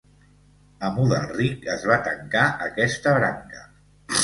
Amb Udalric es va tancar aquesta branca.